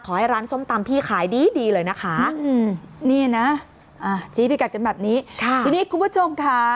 ให้ร้านส้มตำพี่ขายดีดีเลยนะคะนี่นะชี้พิกัดกันแบบนี้ทีนี้คุณผู้ชมค่ะ